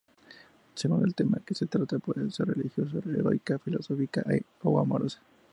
Según el tema que se trata, puede ser religiosa, heroica, filosófica o amorosa.